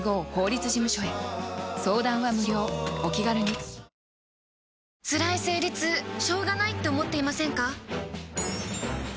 ぷはーっつらい生理痛しょうがないって思っていませんか？